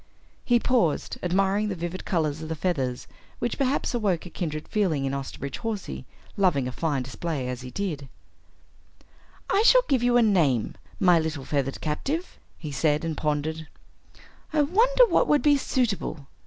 He paused, admiring the vivid colors of the feathers which perhaps awoke a kindred feeling in Osterbridge Hawsey, loving a fine display as he did. "I shall give you a name, my little feathered captive," he said, and pondered. "I wonder what would be suitable?